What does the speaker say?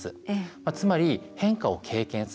つまり、変化を経験する。